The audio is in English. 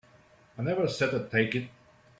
I never said I'd take it.